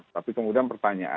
tapi kemudian pertanyaan